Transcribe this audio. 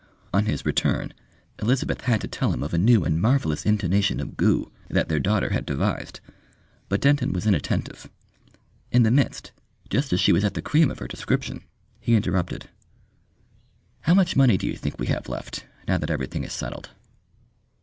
On his return Elizabeth had to tell him of a new and marvellous intonation of "Goo" that their daughter had devised, but Denton was inattentive. In the midst, just as she was at the cream of her description, he interrupted. "How much money do you think we have left, now that everything is settled?"